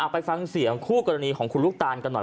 ไปฟังเสียงคู่กรณีของคุณลูกตานกันหน่อย